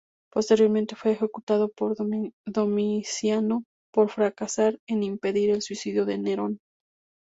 Posteriormente, fue ejecutado por Domiciano por fracasar en impedir el suicidio de Nerón.